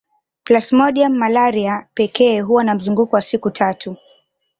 Plasmodium malaria pekee huwa na mzunguko wa siku tatu